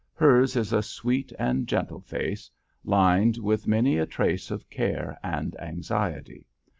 Hers is a sweet and gentle face, lined with many a trace of care and anxiety.